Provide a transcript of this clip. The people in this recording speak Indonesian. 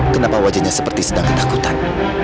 kenapa wajahnya seperti sedang ketakutan